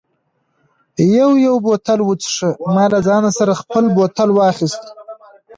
یو یو بوتل و څښه، ما له ځان سره خپل بوتل واخیست.